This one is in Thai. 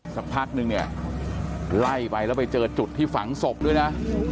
สักพักนึงเนี่ยไล่ไปแล้วไปเจอจุดที่ฝังศพด้วยนะ